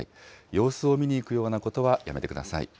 様子を見に行くようなことはやめてください。